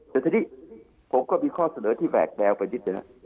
แต่ทีนี้ผมก็มีข้อเสนอที่แหวกแนวไปนิดนึง